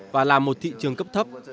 và là một thị trường cấp thấp